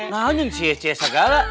kenapa sih shay